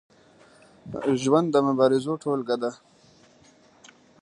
ژوند د مبارزو ټولګه ده.